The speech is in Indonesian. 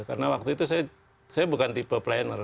karena waktu itu saya bukan tipe planner